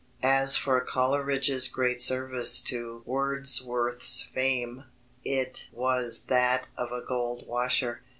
As for Coleridge's great service to Wordsworth's fame, it was that of a gold washer.